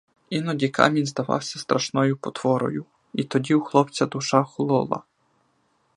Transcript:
Іноді камінь здавався страшною потворою, і тоді у хлопця душа холола.